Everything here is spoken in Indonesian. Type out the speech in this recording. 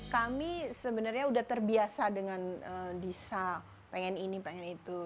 kami sebenarnya sudah terbiasa dengan disa pengen ini pengen itu